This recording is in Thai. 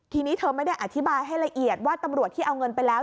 ทีนี้เธอไม่ได้อธิบายให้ละเอียดว่าตำรวจที่เอาเงินไปแล้ว